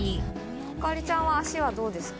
亜香里ちゃんは足はどうですか？